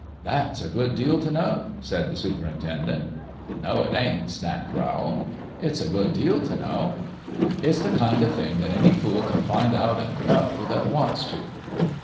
" That's a good deal t' know," said the super intendent. " No, it ain't," snapped Rowl. " It's a good deal t' know." " It's the kind o' thing that any fool can find out an' know that wants to."